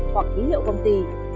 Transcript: hoặc ký hiệu công ty